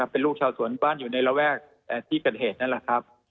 เป็นลูกชาวสวนบ้านอยู่ในระแวกที่๑๘นั่นครับ